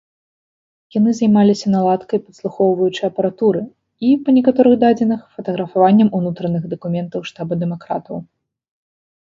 Яны займаліся наладкай падслухоўваючай апаратуры і, па некаторых дадзеных, фатаграфаваннем унутраных дакументаў штаба дэмакратаў.